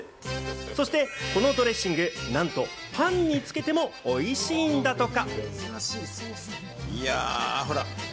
そしてこのドレッシング、なんとパンにつけても、おいしいんだとか。